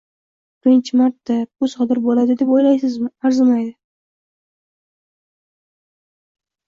Bu birinchi marta, bu sodir bo'ladi deb o'ylaysizmi? Arzimaydi